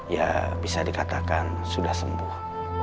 ya bisa dikatakan sudah sembuh